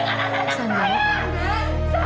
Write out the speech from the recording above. saya ingin bertemu dengan saya